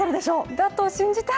だと信じたい！